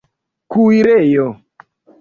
kuirejo